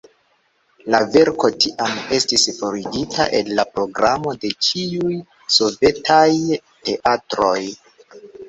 La verko tiam estis forigita el la programo de ĉiuj sovetaj teatroj.